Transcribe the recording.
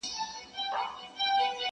څوک یې وړونه څه خپلوان څه قریبان دي.